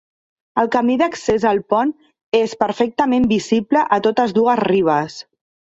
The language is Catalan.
El camí d'accés al pont és perfectament visible a totes dues ribes.